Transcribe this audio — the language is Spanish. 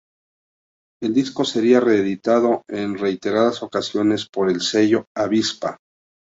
El disco sería reeditado en reiteradas ocasiones por el sello Avispa.